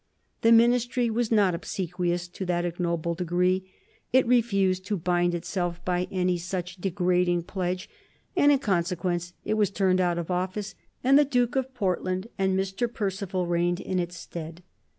The Ministry was not obsequious to that ignoble degree. It refused to bind itself by any such degrading pledge; and, in consequence, it was turned out of office, and the Duke of Portland and Mr. Perceval reigned in its stead.